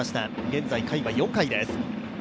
現在、回は４回です。